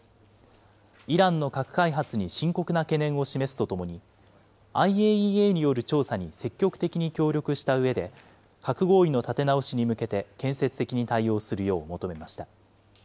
イランの核開発に深刻な懸念を示すとともに、ＩＡＥＡによる調査に積極的に協力したうえで、核合意の立て直しに向けて建設的に対応するよう求めました。